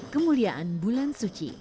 kemuliaan bulan suci